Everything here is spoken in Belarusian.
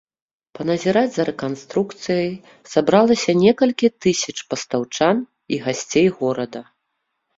Паназіраць за рэканструкцыяй сабралася некалькі тысяч пастаўчан і гасцей горада.